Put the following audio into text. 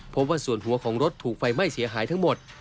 ว่าส่วนหัวของรถถูกไฟไหม้เสียหายทั้งหมด